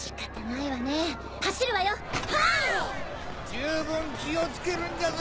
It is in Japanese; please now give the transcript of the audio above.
十分気を付けるんじゃぞ！